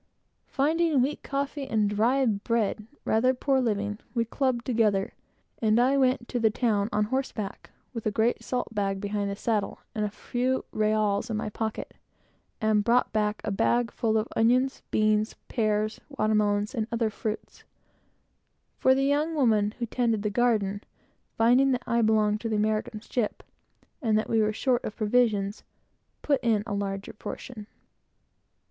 Finding wheat coffee and dry bread rather poor living, we dubbed together, and I went up to the town on horseback with a great salt bag behind the saddle, and a few reáls in my pocket, and brought back the bag full of onions, pears, beans, water melons, and other fruits; for the young woman who tended the garden, finding that I belonged to the American ship, and that we were short of provisions, put in a double portion.